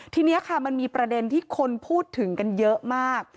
ทีนี้ค่ะมันมีประเด็นที่คนพูดถึงกันเยอะมาก